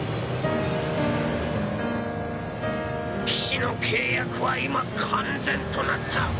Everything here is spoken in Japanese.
騎士の契約は今完全となった。